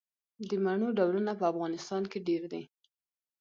د مڼو ډولونه په افغانستان کې ډیر دي.